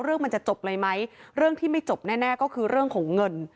เรื่องมันจะจบเลยไหมเรื่องที่ไม่จบแน่ก็คือเรื่องของเงิน